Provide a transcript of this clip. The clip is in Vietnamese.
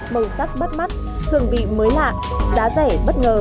màu sắc bắt mắt hương vị mới lạ giá rẻ bất ngờ